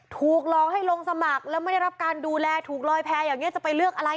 ถูกหลอกให้ลงสมัครแล้วไม่ได้รับการดูแลถูกลอยแพ้อย่างนี้จะไปเลือกอะไร